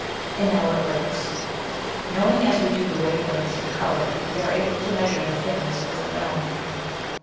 And now it breaks. Knowing as we do the wave lengths of color, we are able to measure the thickness of the film.